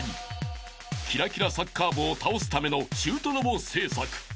［きらきらサッカー部を倒すためのシュートロボ制作］